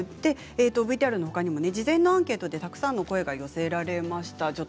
ＶＴＲのほかにも事前のアンケートでたくさんの声が寄せられました。